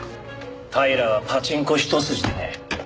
平はパチンコ一筋でね